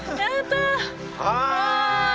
はい！